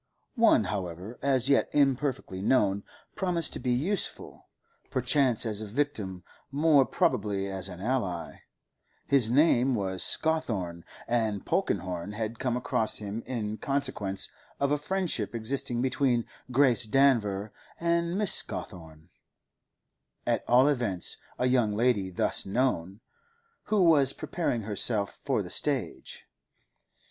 One, however, as yet imperfectly known, promised to be useful, perchance as a victim, more probably as an ally; his name was Scawthorne, and Polkenhorne had come across him in consequence of a friendship existing between Grace Danver and Mrs. Scawthorne—at all events, a young lady thus known—who was preparing herself for the stage.